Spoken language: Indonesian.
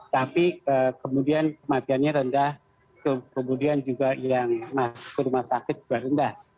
tapi kemudian kematiannya rendah kemudian juga yang masuk ke rumah sakit juga rendah